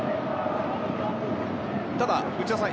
ただ、内田さん